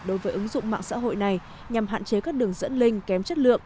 đối với ứng dụng mạng xã hội này nhằm hạn chế các đường dẫn linh kém chất lượng